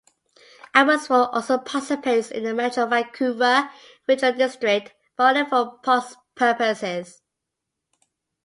Abbotsford also participates in the Metro Vancouver regional district, but only for parks purposes.